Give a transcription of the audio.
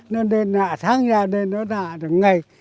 nên đây nạ tháng nhà đây nó nạ được ngày